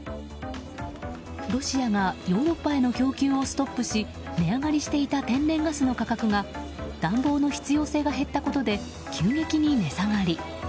ロシアがヨーロッパへの供給をストップし値上がりしていた天然ガスの価格が暖房の必要性が減ったことで急激に値下がり。